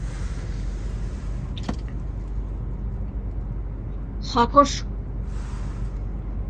Jasokundearen eliza Euskal Herriko neoklasizismoaren eredurik esanguratsuenetakoa dugu.